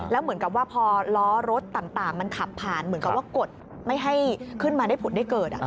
แล้วเหมือนกับว่าพอล้อรถต่างมันขับผ่านเหมือนกับว่ากดไม่ให้ขึ้นมาได้ผุดได้เกิด